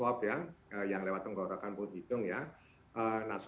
yang lewat menggorengkan putih itu yang lewat menggorengkan putih itu yang lewat menggorengkan putih itu